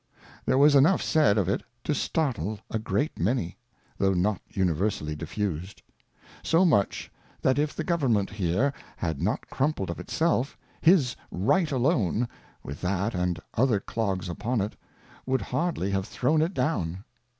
There was enough said of it to startle a great many, though not universally diffused ; So much, that if the Government here, had not crumbled of itself, his Right alone, with that and other clogs upon it, would hardly have thrown it down.